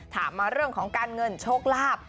ถามมาเรื่องของการเงินโชคลาภ